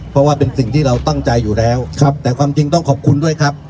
เพราะว่าเป็นสิ่งที่เราตั้งใจอยู่แล้วครับแต่ความจริงต้องขอบคุณด้วยครับ